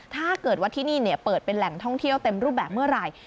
ถ้าเกิดว่าที่นี่เปิดเป็นแหล่งท่องเที่ยวเต็มรูปแบบเมื่อไหร่